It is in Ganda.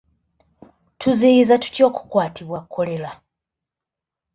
Tuziyiza tutya okukwatibwa Kkolera?